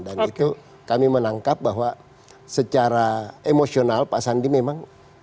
dan itu kami menangkap bahwa secara emosional pak sandi memang